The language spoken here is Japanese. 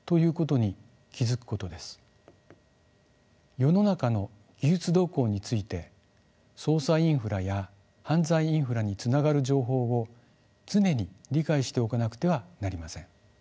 世の中の技術動向について捜査インフラや犯罪インフラにつながる情報を常に理解しておかなくてはなりません。